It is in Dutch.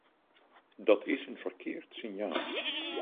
Dat is een verkeerd signaal.